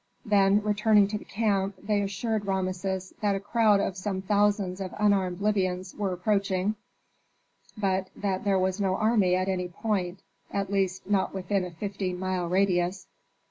Then returning to the camp, they assured Rameses that a crowd of some thousands of unarmed Libyans were approaching, but that there was no army at any point, at least none within a fifteen mile radius.